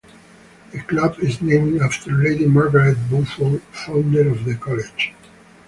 The club is named after Lady Margaret Beaufort, founder of the College.